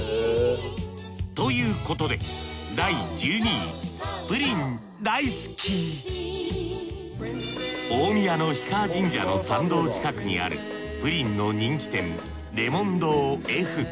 ということで大宮の氷川神社の参道近くにあるプリンの人気店檸檬堂ｆ。